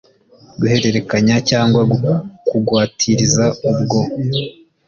guhererekanya cyangwa kugwatiriza ubwo